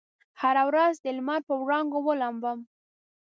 هره ورځ دلمر په وړانګو ولامبم